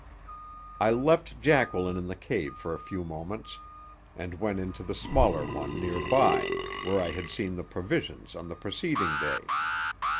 I left Jacqueline in the cave for a few moments and went into the smaller one near by, where I had seen the provisions on the preceding day.